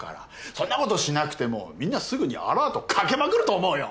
そんなことしなくてもみんなすぐにアラートかけまくると思うよ。